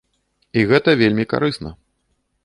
І гэта вельмі карысна.